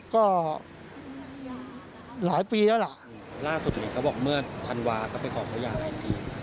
ก็หลายปีแล้วล่ะล่าสุดนี้เขาบอกเมื่อธันวาก็ไปขอเขาหย่าแบบนี้